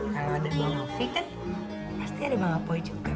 kalau ada mbak malfi kan pasti ada mbak malfi yang mau liat mas alfie kan